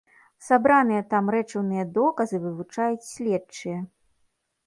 Сабраныя там рэчыўныя доказы вывучаюць следчыя.